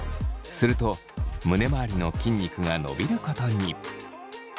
すると胸まわりの筋肉が伸びることに。